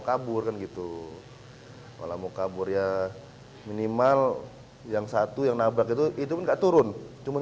kabur kan gitu malah mau kabur ya minimal yang satu yang nabrak itu itu enggak turun cuma